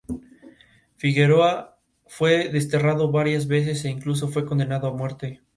Figueroa fue desterrado varias veces e incluso fue condenado a muerte.